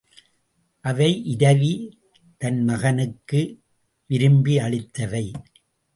அவை இரவி தன் மகனுக்கு விரும்பி அளித்தவை.